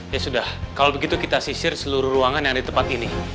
ya sudah kalau begitu kita sisir seluruh ruangan yang ada di tempat ini